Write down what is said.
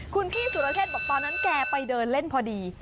คุณพี่สุรเชษฐ์บอกตอนนั้นแกไปเดินเล่นพอดี